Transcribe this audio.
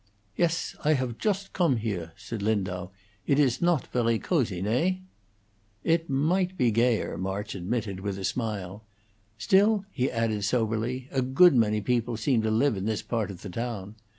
"Yes. I have chust gome here," said Lindau. "Idt is not very coy, Neigh?" "It might be gayer," March admitted, with a smile. "Still," he added, soberly, "a good many people seem to live in this part of the town.